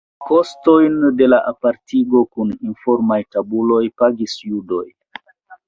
Kostojn de la apartigo kun informaj tabuloj pagis judoj.